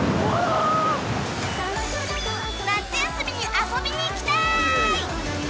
夏休みに遊びに行きたーい！